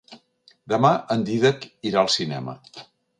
Demà en Dídac irà al cinema.